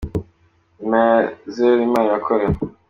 Na nyuma ya zero Imana irakora.”